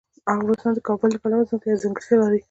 افغانستان د کابل له پلوه ځانته یوه ځانګړتیا لري.